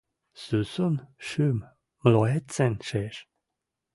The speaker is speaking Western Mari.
Сусун шӱм млоецӹн шиэш: